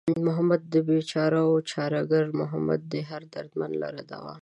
محمد د بېچارهوو چاره گر دئ محمد دئ هر دردمند لره دوا